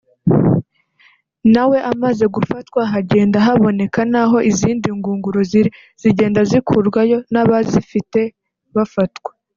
nawe amaze gufatwa hagenda haboneka n’aho izindi ngunguru ziri zigenda zikurwayo n’abazifite bafatwa